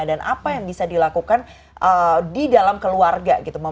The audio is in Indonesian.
apa yang bisa dilakukan di dalam keluarga gitu